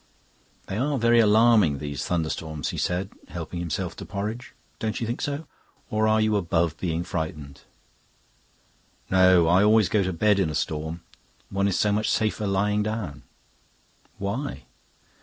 "They are very alarming, these thunderstorms," he said, helping himself to porridge. "Don't you think so? Or are you above being frightened?" "No. I always go to bed in a storm. One is so much safer lying down." "Why?"